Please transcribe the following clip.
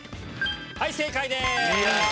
はい、正解です。